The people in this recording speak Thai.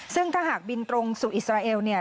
ซึ่งถ้าหากบินตรงสู่อิสราเอลเนี่ย